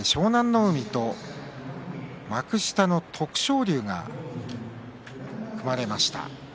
海と幕下の徳勝龍が組まれました。